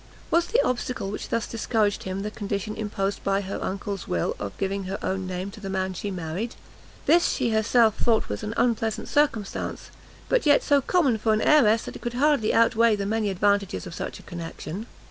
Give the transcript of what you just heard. Was the obstacle which thus discouraged him the condition imposed by her uncle's will of giving her own name to the man she married? this she herself thought was an unpleasant circumstance, but yet so common for an heiress, that it could hardly out weigh the many advantages of such a connection.